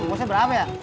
nguset berapa ya